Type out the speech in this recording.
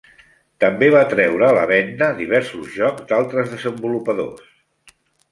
També va treure a la venda diversos jocs d'altres desenvolupadors.